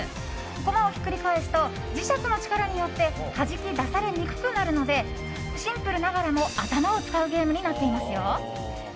駒をひっくり返すと磁石の力によってはじき出されにくくなるのでシンプルながらも頭を使うゲームになっていますよ。